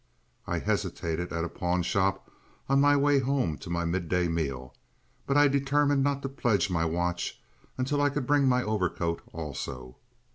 I hesitated at a pawnshop on my way home to my midday meal, but I determined not to pledge my watch until I could bring my overcoat also.